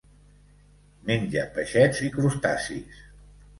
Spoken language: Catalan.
Menja peixets i crustacis.